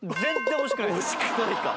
惜しくないか。